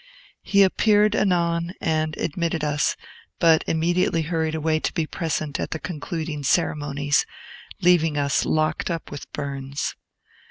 He appeared anon, and admitted us, but immediately hurried away to be present at the concluding ceremonies, leaving us locked up with Burns.